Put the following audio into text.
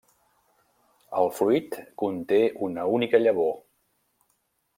El fruit conté una única llavor.